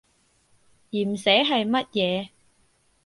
鹽蛇係乜嘢？